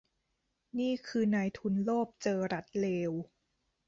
นี่คือนายทุนโลภเจอรัฐเลว